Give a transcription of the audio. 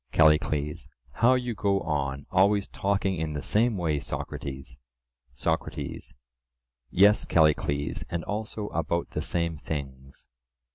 CALLICLES: How you go on, always talking in the same way, Socrates! SOCRATES: Yes, Callicles, and also about the same things.